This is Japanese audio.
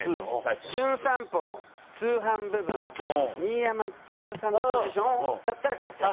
『じゅん散歩』の通販部分の新山千春さんのポジションだったら活躍。